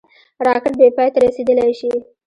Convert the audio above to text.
راکټ بېپای ته رسېدلای شي